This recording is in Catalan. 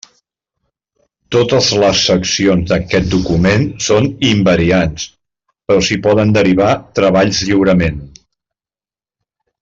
Totes les seccions d'aquest document són “invariants” però s'hi poden derivar treballs lliurement.